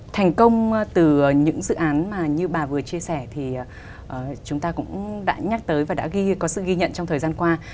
thành công từ những dự án mà như bà vừa chia sẻ thì chúng ta cũng đã nhắc tới và đã ghi có sự ghi nhận trong thời gian qua